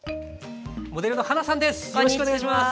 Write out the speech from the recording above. モデルのはなさんです。